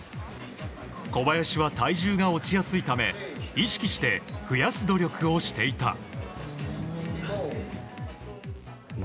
小林は体重が落ちやすいため意識して増やす努力をしていた。